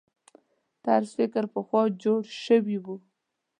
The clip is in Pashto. طرز فکر پخوا جوړ شوي وو.